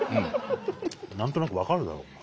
何となく分かるだろお前。